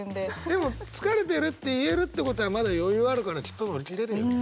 でも「つかれてる」って言えるってことはまだ余裕あるからきっと乗り切れるよね。